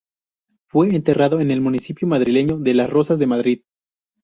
Fue enterrado en el municipio madrileño de Las Rozas de Madrid.